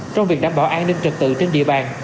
trong việc đảm bảo an ninh trật tự trên địa bàn